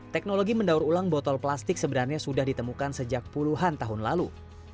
teknologi mendaur ulang botol plastik sebenarnya sudah ditemukan sejak puluhan tahun lalu